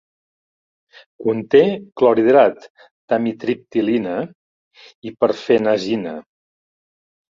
Conté clorhidrat d'amitriptilina i perfenazina.